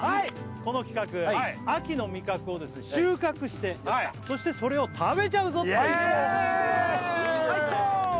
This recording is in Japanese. この企画秋の味覚を収穫してそしてそれを食べちゃうぞっていう最高イエーイ最高！